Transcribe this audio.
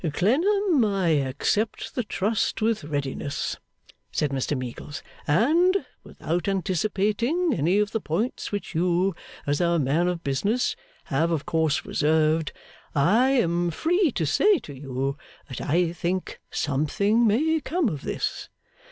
'Clennam, I accept the trust with readiness,' said Mr Meagles. 'And without anticipating any of the points which you, as a man of business, have of course reserved, I am free to say to you that I think something may come of this.